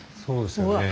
そうですよね。